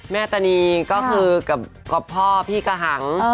ตานีก็คือกับพ่อพี่กะหัง